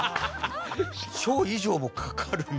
小以上もかかるんだ。